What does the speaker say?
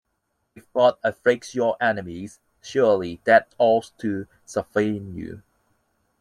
If God afflict your enemies, surely that ought to suffice you.